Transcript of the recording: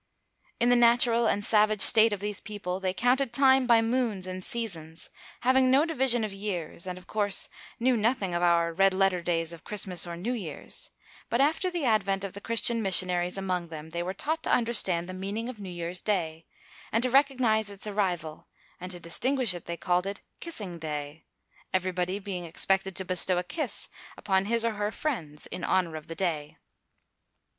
In the natural and savage state of these people, they counted time by moons and seasons, having no division of years, and, of course, knew nothing of our red letter days of Christmas or New Year's, but after the advent of the Christian missionaries among them, they were taught to understand the meaning of New Year's day, and to recognize its arrival, and to distinguish it they called it "Kissing Day," everybody being expected to bestow a kiss upon his or her friends in honor of the day.